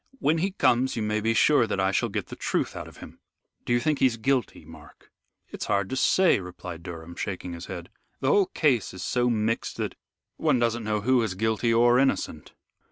When he comes, you may be sure that I shall get the truth out of him." "Do you think he's guilty, Mark?" "It is hard to say," replied Durham, shaking his head. "The whole case is so mixed that one doesn't know who is guilty or innocent."